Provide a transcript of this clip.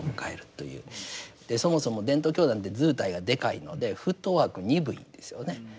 そもそも伝統教団って図体がでかいのでフットワーク鈍いんですよね。